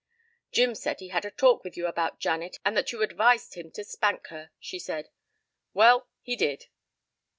"Jim said he had a talk with you about Janet, and that you advised him to spank her," she said. "Well, he did."